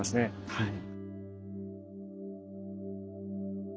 はい。